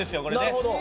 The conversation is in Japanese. なるほど。